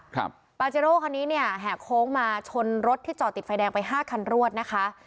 ปาเจโร่คันนี้เนี่ยแห่โค้งมาชนรถที่จอดติดไฟแดงไปห้าคันรวดนะคะ